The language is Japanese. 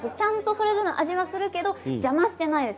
それぞれの味はちゃんとするけれども邪魔していないです。